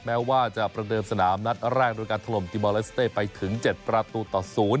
แม้ว่าจะประเดิมสนามนัดแรกโดยการถล่มติมอลเลสเต้ไปถึง๗ประตูต่อ๐